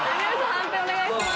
判定お願いします。